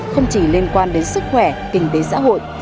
không chỉ liên quan đến sức khỏe kinh tế xã hội